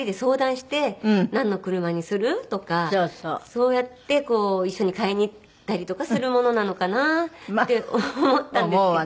そうやって一緒に買いに行ったりとかするものなのかなって思ったんですけど。